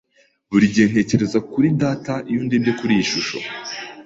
Buri gihe ntekereza kuri data iyo ndebye kuri iyi shusho.